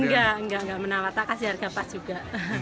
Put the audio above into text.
enggak enggak menawar tak kasih harga pas juga